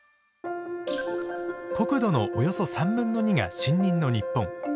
国土のおよそ３分の２が森林の日本。